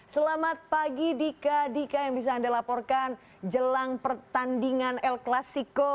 selamat pagi dika dika yang bisa anda laporkan jelang pertandingan el clasico